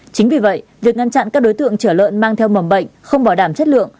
chính vì vậy việc ngăn chặn các đối tượng chở lợn mang theo mầm bệnh không bảo đảm chất lượng